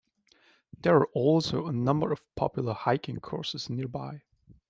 There are also a number of popular hiking courses nearby.